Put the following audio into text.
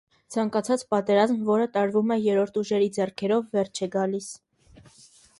Ցանկացած պատերազմ, որը տարվում է երրորդ ուժերի ձեռքերով, վերջ է գալիս։